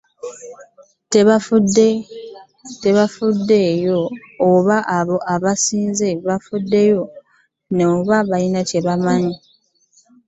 Tebafuddeeyo oba abo be basanze babaddeko ne bye babamanyi.